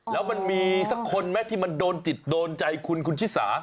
แล้วมันมีสักคนไหมที่มันโดนจิตโดนใจคุณคุณชิสา